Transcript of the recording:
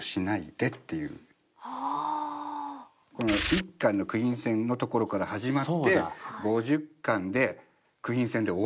１巻のクイーン戦のところから始まって５０巻でクイーン戦で終わるんです。